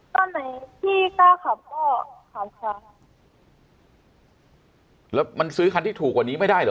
ตอนไหนพี่กล้าขับก็ขับค่ะแล้วมันซื้อคันที่ถูกกว่านี้ไม่ได้เหรอ